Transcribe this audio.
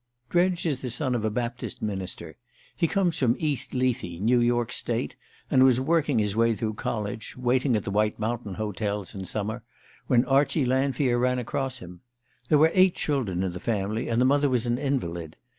Dredge is the son of a Baptist minister. He comes from East Lethe, New York State, and was working his way through college waiting at White Mountain hotels in summer when Archie Lanfear ran across him. There were eight children in the family, and the mother was an invalid.